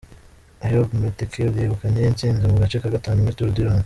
Eyob Metkel yegukanye intsinzi mu gace ka gatanu muri Tour du Rwanda.